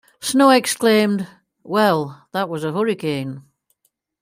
Snow exclaimed, Well, that was a Hurricane.